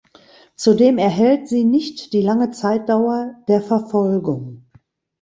Zudem erhellt sie nicht die lange Zeitdauer der Verfolgung.